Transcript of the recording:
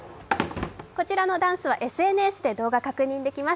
こちらのダンスはＳＮＳで動画確認できます。